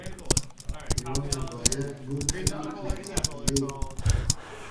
وا رۂ بایئد بور کئنی از آغیلی